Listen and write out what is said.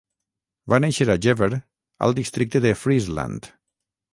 Va néixer a Jever al districte de Friesland.